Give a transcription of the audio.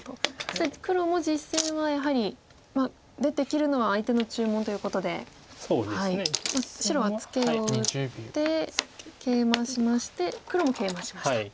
そして黒も実戦はやはり出て切るのは相手の注文ということで白はツケを打ってケイマしまして黒もケイマしました。